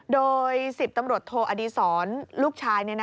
โดย๑๐ตำรวจโทอดีศรลูกชาย